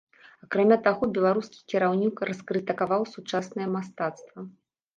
Акрамя таго беларускі кіраўнік раскрытыкаваў сучаснае мастацтва.